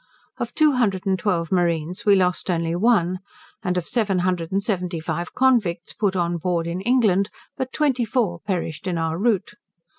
Of two hundred and twelve marines we lost only one; and of seven hundred and seventy five convicts, put on board in England, but twenty four perished in our route.